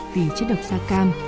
vì chất độc sa cam